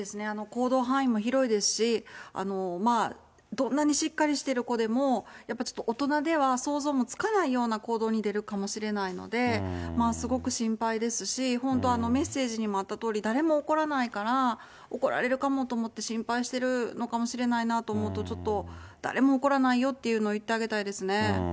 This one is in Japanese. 行動範囲も広いですし、どんなにしっかりしてる子でも、やっぱり大人では想像もつかないような行動に出るかもしれないので、すごく心配ですし、本当、メッセージにもあったとおり、誰も怒らないから、怒られるかもと思って心配してるのかもしれないのかなと思うと、ちょっと誰も怒らないよというの言ってあげたいですね。